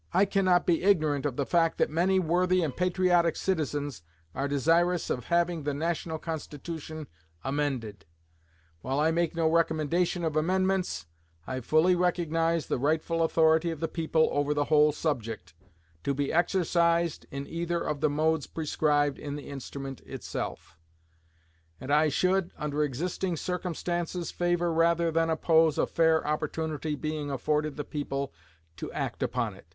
I cannot be ignorant of the fact that many worthy and patriotic citizens are desirous of having the National Constitution amended. While I make no recommendation of amendments, I fully recognize the rightful authority of the people over the whole subject, to be exercised in either of the modes prescribed in the instrument itself; and I should, under existing circumstances, favor rather than oppose a fair opportunity being afforded the people to act upon it....